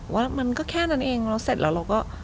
ว่ามันก็แค่นั้นเองแล้วเสร็จแล้วเราก็